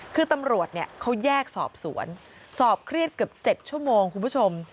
คือตำรวจเนี่ยเขาแยกสอบสวนสอบเครียดเกือบ๗ชั่วโมงคุณผู้ชม